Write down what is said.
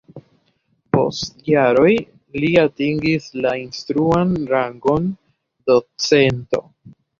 Post jaroj li atingis la instruan rangon docento.